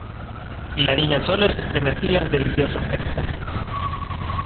y la Niña Chole se estremecía en delicioso éxtasis,